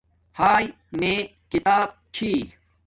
ہاݵ میں کتاب چھی